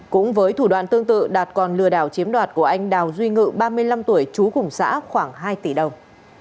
cũng với thủ đoạn tương tự đạt còn lừa đảo chiếm đoạt của anh đào duy ngự ba mươi năm tuổi trú cùng xã khoảng hai tỷ đồng